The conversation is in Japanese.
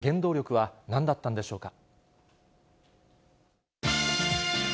その原動力はなんだったんでしょうか。